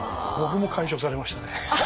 僕も解消されましたね。